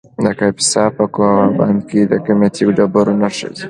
د کاپیسا په کوه بند کې د قیمتي ډبرو نښې دي.